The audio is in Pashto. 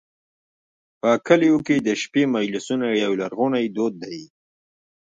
په کلیو کې د شپې مجلسونه یو لرغونی دود دی.